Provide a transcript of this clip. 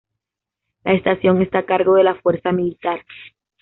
La estación está a cargo de la fuerza militar.